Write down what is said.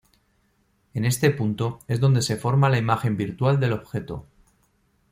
En este punto es donde se forma la imagen virtual del objeto.